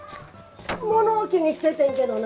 物置にしててんけどな。